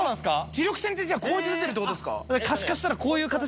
磁力線ってじゃあこうやって出てるってことですか？